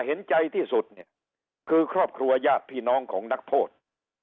เห็นใจที่สุดเนี่ยคือครอบครัวญาติพี่น้องของนักโทษ